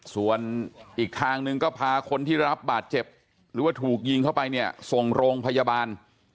ส่วนอีกทางหนึ่งก็พาคนที่ได้รับบาดเจ็บหรือว่าถูกยิงเข้าไปเนี่ยส่งโรงพยาบาล